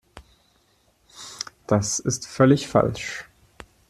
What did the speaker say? Das ist völlig falsch!